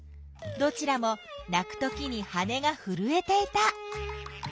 どちらも鳴くときに羽がふるえていた。